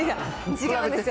違うんですよ。